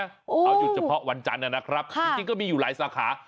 เอาหยุดเฉพาะวันจันทร์นะครับจริงก็มีอยู่หลายสาขา